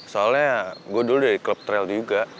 soalnya gue dulu udah di klub trail juga